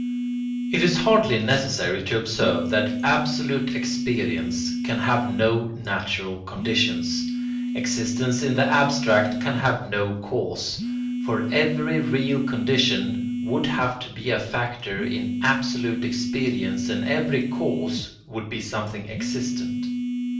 ] It is hardly necessary to observe that absolute experience can have no natural conditions. Existence in the abstract can have no cause; for every real condition would have to be a factor in absolute experience, and every cause would be something existent.